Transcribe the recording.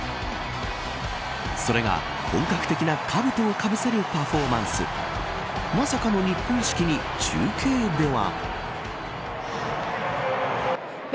それが、本格的なかぶとをかぶせるパフォーマンスまさかの日本式に中継では。